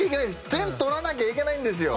点取らなきゃいけないんですよ。